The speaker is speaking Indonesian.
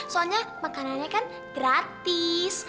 soalnya makanannya kan gratis